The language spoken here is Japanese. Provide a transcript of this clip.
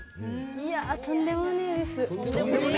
いやとんでもねえです。